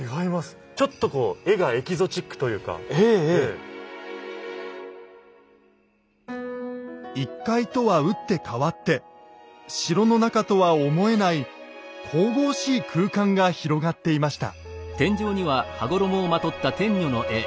ちょっとこう１階とは打って変わって城の中とは思えない神々しい空間が広がっていました。